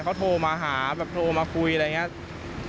เขาโทรมาหาแบบโทรมาคุยอะไรอย่างนี้